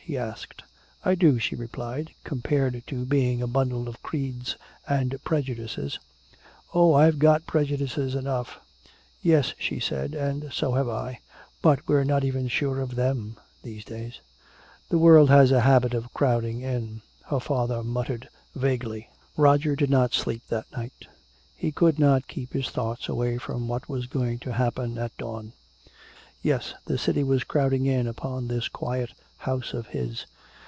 he asked. "I do," she replied, "compared to being a bundle of creeds and prejudices." "Oh, I've got prejudices enough." "Yes," she said. "And so have I. But we're not even sure of them, these days." "The world has a habit of crowding in," her father muttered vaguely. Roger did not sleep that night. He could not keep his thoughts away from what was going to happen at dawn. Yes, the city was crowding in upon this quiet house of his.